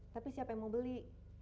tapi siapa yang mau beli